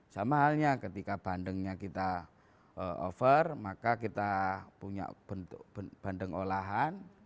sama halnya ketika bandengnya kita over maka kita punya bentuk bandeng olahan